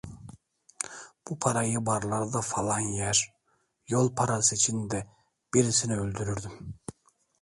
Bu parayı barlarda falan yer, yol parası için de birisini öldürürdüm.